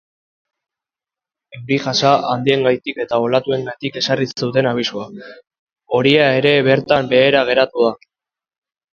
Euri-jasa handiengatik eta olatuengatik ezarri zuten abisu horia ere bertan behera geratu da.